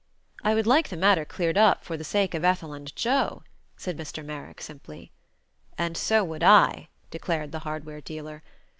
"I would like the matter cleared up for the sake of Ethel and Joe," said Mr. Merrick, simply. "And so would I," declared the hardware dealer.